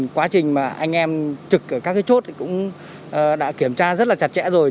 quá trình mà anh em trực ở các chốt cũng đã kiểm tra rất là chặt chẽ rồi